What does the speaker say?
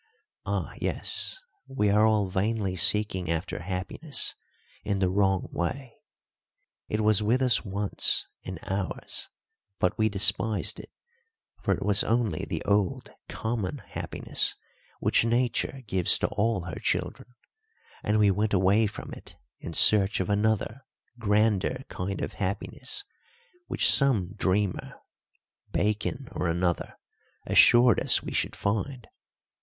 Ah, yes, we are all vainly seeking after happiness in the wrong way. It was with us once and ours, but we despised it, for it was only the old, common happiness which Nature gives to all her children, and we went away from it in search of another grander kind of happiness which some dreamer Bacon or another assured us we should find.